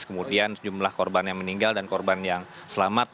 kemudian jumlah korban yang meninggal dan korban yang selamat